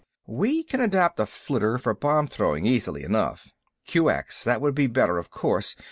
We can adapt a flitter for bomb throwing easily enough." "QX; that would be better, of course.